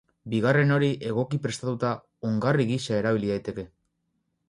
Bigarren hori, egoki prestatuta, ongarri gisa erabil daiteke.